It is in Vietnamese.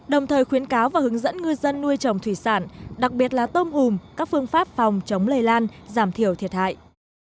đồng thời khuyến cáo và hướng dẫn ngư dân nuôi trồng thủy sản đặc biệt là tôm hùm các phương pháp phòng chống lây lan giảm thiểu thiệt hại